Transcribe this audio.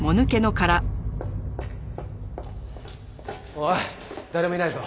おい誰もいないぞ。